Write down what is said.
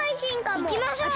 いきましょう！